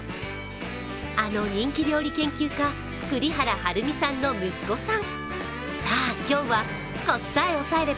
あの人気料理研究家、栗原はるみさんの息子さん。